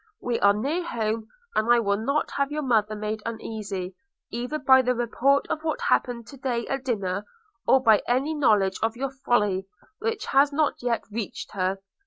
We are near home, and I will not have your mother made uneasy, either by the report of what happened to day at dinner, or by any knowledge of your folly, which has not yet reached her.